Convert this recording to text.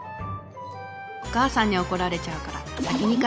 お母さんに怒られちゃうから先に帰ります。